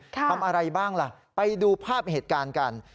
ทำอะไรบ้างล่ะไปดูภาพเหตุการณ์กัน